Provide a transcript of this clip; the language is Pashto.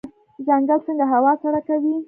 ځنګل څنګه هوا سړه کوي؟